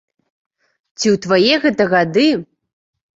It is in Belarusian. Ці ў твае гэта гады!